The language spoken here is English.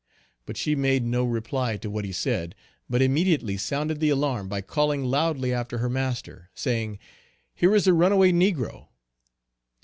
But she made no reply to what he said but immediately sounded the alarm by calling loudly after her master, saying, "here is a runaway negro!"